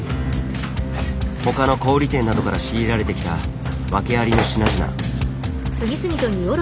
他の小売店などから仕入れられてきたワケありの品々。